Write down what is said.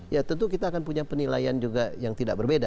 ya tentu kita akan punya penilaian juga yang tidak berbeda